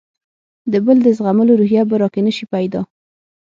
د بل د زغملو روحیه به راکې نه شي پیدا.